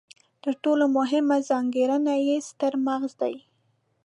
تر ټولو مهمه ځانګړنه یې ستر مغز دی.